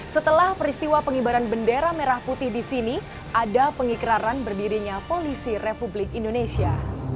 setelah peristiwa pengibaran bendera merah putih di sini ada pengikraran berdirinya polisi republik indonesia